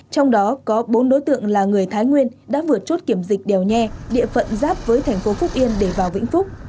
trong đó có bốn đối tượng là người thái nguyên đã vượt chốt kiểm dịch đèo nhe địa phận giáp với thành phố phúc yên để vào vĩnh phúc